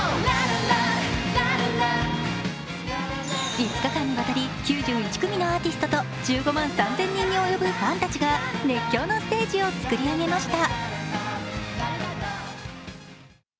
５日間にわたり９１組のアーティストと１５万３０００人に及ぶファンたちが熱狂のステージを作り上げました。